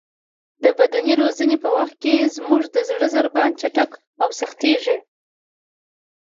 د بدني روزنې په وخت کې زموږ د زړه ضربان چټک او سختېږي.